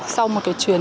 sau một cái chuyến